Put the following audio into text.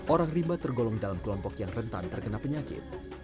orang rimba tergolong dalam kelompok yang rentan terkena penyakit